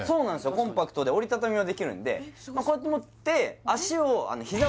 コンパクトで折り畳みもできるんでこうやって持って足をえっ！？